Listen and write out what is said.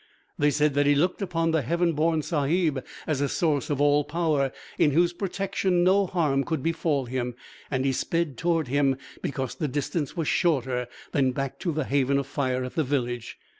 They said that he looked upon the Heaven born sahib as a source of all power, in whose protection no harm could befall him, and he sped toward him because the distance was shorter than back to the haven of fire at the village.